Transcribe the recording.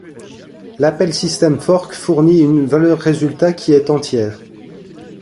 L'appel système fork fournit une valeur résultat qui est entière.